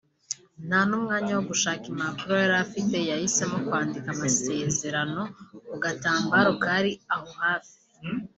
nta n’umwanya wo gushaka impapuro yari afite yahisemo kwandika amasezerano ku gatambaro kari aho hafi